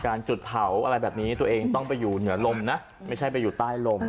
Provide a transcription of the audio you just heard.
จุดเผาอะไรแบบนี้ตัวเองต้องไปอยู่เหนือลมนะไม่ใช่ไปอยู่ใต้ลม